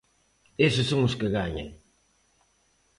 Eses son os que gañan.